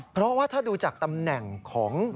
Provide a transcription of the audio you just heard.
เพราะว่าถ้าดูจากตำแหน่งของ